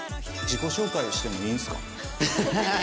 自己紹介をしてもいいですか？